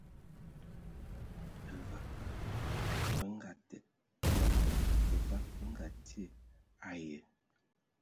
Bevag be ngaateg, bevag be ngaatie ai.